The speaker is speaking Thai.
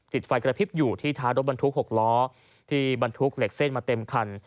ไฟกระพริบอยู่ที่ท้ายรถบรรทุก๖ล้อที่บรรทุกเหล็กเส้นมาเต็มคัน